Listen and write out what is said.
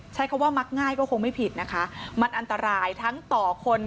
ใช้คำว่ามักง่ายก็คงไม่ผิดนะคะมันอันตรายทั้งต่อคน